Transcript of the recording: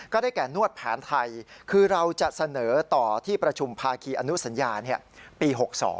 แก่นวดแผนไทยคือเราจะเสนอต่อที่ประชุมภาคีอนุสัญญาปี๖๒